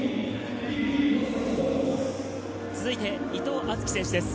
続いて伊藤敦樹選手です。